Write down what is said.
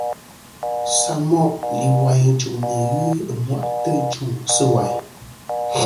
Samoʼ lìwàyn î jùŋ nɨ̀ ghɨ ɨmwaʼtɨ ɨ jûŋ sɨ̂ wàyn.